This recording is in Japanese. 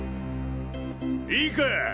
いいか！